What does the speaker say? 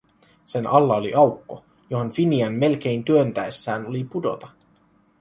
Sen alla oli aukko, johon Finian melkein työntäessään oli pudota.